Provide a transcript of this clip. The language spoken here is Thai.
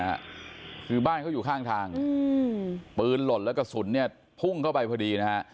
คือบ้านเขาอยู่ข้างทางอืมปืนหล่นแล้วกระสุนเนี่ยพุ่งเข้าไปพอดีนะฮะ